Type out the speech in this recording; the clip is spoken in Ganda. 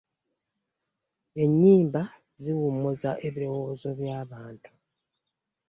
Ennyimba ziwummuza ebirowoozo by'abantu.